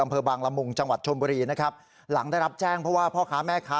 อำเภอบางละมุงจังหวัดชมบุรีนะครับหลังได้รับแจ้งเพราะว่าพ่อค้าแม่ค้า